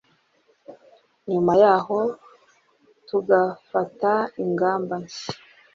Nyuma yaho tugafata ingamba nshya.